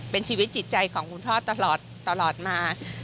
เป็นชีวิตจิตใจของคุณพ่อตลอดมา